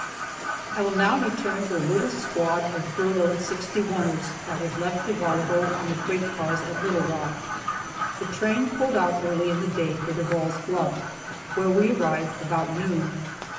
I will now return to the little squad of furloughed Sixty onesters that was left a while ago on the freight cars at Little Rock. The train pulled out early in the day for Devall's Bluff, where we arrived about noon.